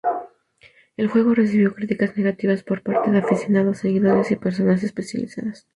El juego recibió críticas negativas por parte de aficionados, seguidores y personas especializadas.